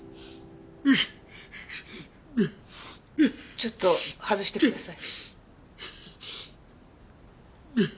ちょっと外してください。